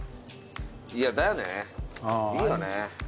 いやだよねいいよね。